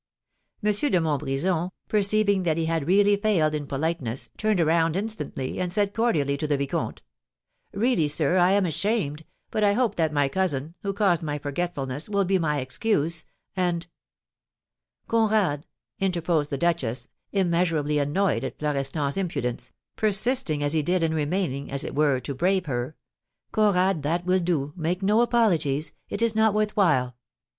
M. de Montbrison, perceiving that he had really failed in politeness, turned around instantly, and said cordially to the vicomte: "Really, sir, I am ashamed; but I hope that my cousin, who caused my forgetfulness, will be my excuse, and " "Conrad," interposed the duchess, immeasurably annoyed at Florestan's impudence, persisting as he did in remaining, as it were, to brave her, "Conrad, that will do; make no apologies; it is not worth while."